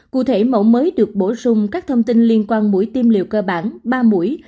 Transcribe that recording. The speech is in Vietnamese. cụ thể mẫu mới được bổ sung các thông tin liên quan mũi tiêm liều cơ bản ba mũi